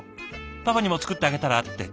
『パパにも作ってあげたら？』って」。